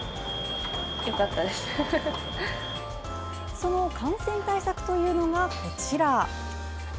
その感染対策というのがこちら。